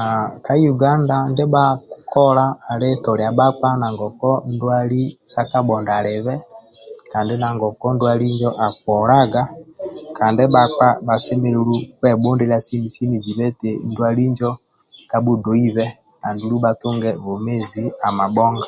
A ka uganda ndibha kola ali toliya bakpa nangoku ndwali sya kabhondo alibhe kandi nangoku ndwali njo akuholaga kandi bakpa basemelelu kwebhundilya jibhenti ndwali njo kabhudhoibhe andulu batunge bwomezi amabhonga